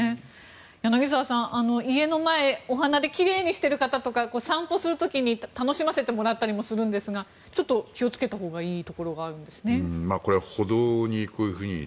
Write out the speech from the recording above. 柳澤さん、家の前をお花で奇麗にしてる方とか散歩する時に楽しませてもらったりもするんですがちょっと気をつけたほうがいいところがあるんですね。